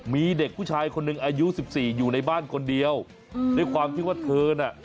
มีเด็กผู้ชายคนหนึ่งอายุสิบสี่อยู่ในบ้านคนเดียวด้วยความที่ว่าเธอน่ะ